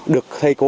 được thầy cô